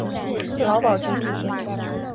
劳保局提醒